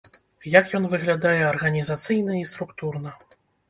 Як ён выглядае арганізацыйна і структурна?